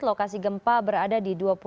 lokasi gempa berada di dua puluh tujuh